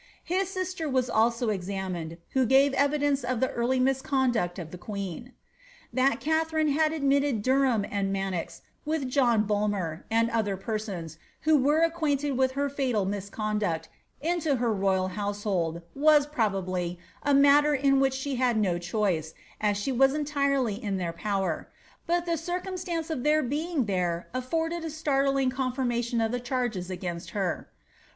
Uii sister was also examined, who gave evidence of the early miaecmdaet of the queen. That Katharine had admitted Derham and Manox, with John Bnlner, and other persons, who were acquainted with her fetal misconduct, into her royal household, was, probably, a matter in which ahe had no choice, as she was entirely in their power ; but the eircnmatanee of their being there afforded a startling confirmation of the chargea against her.